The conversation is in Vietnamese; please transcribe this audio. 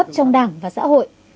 trong đảng và xã hội